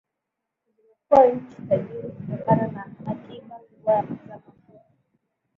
zimekuwa nchi tajiri kutokana na akiba kubwa za mafuta